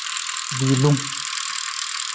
Wiilung.